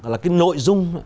là cái nội dung